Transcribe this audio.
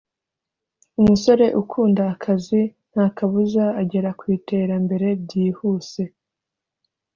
umusore ukunda akazi ntakabuza agera ku iterambere byihuse